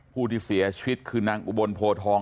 ผู้ที่เสียชีวิตคือนางอุบลโพทอง